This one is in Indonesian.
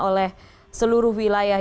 oleh seluruh wilayah